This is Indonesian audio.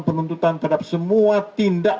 penuntutan terhadap semua tindak